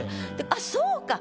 あっそうか。